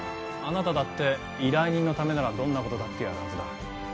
あなただって依頼人のためならどんなことだってやるはずだ